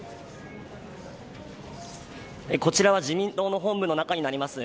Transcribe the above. こちらは自民党の本部の中になります。